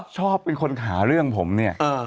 ชอบเป็นคนหาเรื่องผมเนี่ย